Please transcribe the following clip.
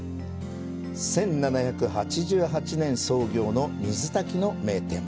１７８８年創業の水炊きの名店。